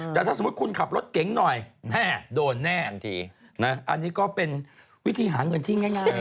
แต่ถ้าสมมุติคุณขับรถเก๋งหน่อยโดนแน่ทันทีนะอันนี้ก็เป็นวิธีหาเงินที่ง่าย